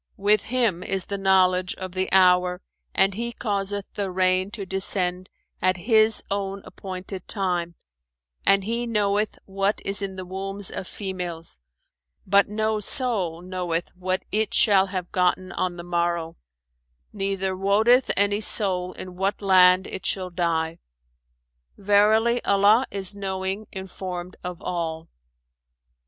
—with Him is the knowledge of the hour and He causeth the rain to descend at His own appointed time —and He knoweth what is in the wombs of females—but no soul knoweth what it shall have gotten on the morrow; neither wotteth any soul in what land it shall die: Verily Allah is knowing, informed of all.'"